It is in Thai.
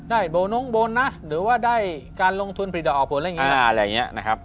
ได้โบนุ้งโบนัสหรือว่าได้การลงทุนผลิตออกผลอะไรอย่างนี้